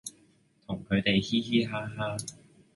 同佢地嘻嘻哈哈